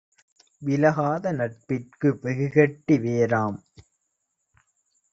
விலகாத நட்பிற்கு வெகுகெட்டி வேராம்;